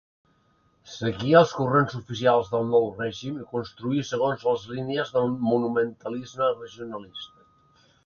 Seguí els corrents oficials del nou règim i construí segons les línies del monumentalisme regionalista.